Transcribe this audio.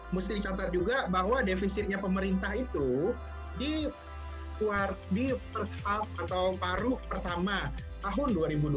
mesti dicatat juga bahwa defisitnya pemerintah itu di first hub atau paruh pertama tahun dua ribu dua puluh